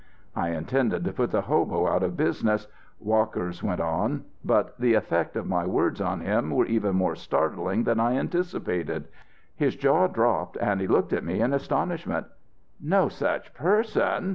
"I intended to put the hobo out of business," Walker went on, "but the effect of my words on him were even more startling than I anticipated. His jaw dropped and he looked at me in astonishment. "'No such person!'